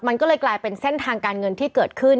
มันก็เลยกลายเป็นเส้นทางการเงินที่เกิดขึ้น